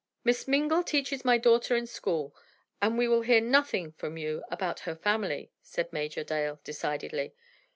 "Miss Mingle teaches my daughter in school, and we will hear nothing from you about her family," said Major Dale, decidedly.